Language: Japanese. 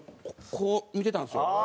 こう見てたんですよ。